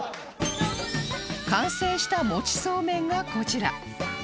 完成したもちそうめんがこちら